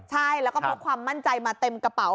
ใช่แล้วก็พกความมั่นใจมาเต็มกระเป๋า